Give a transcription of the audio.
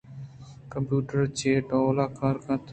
کمپیوٹر چے ڈول ءَ کار کنت ؟